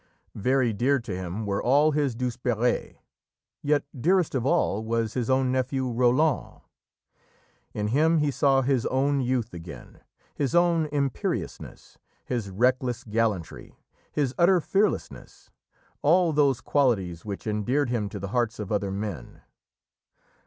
Very dear to him were all his Douzeperes, yet dearest of all was his own nephew, Roland. In him he saw his own youth again, his own imperiousness, his reckless gallantry, his utter fearlessness all those qualities which endeared him to the hearts of other men.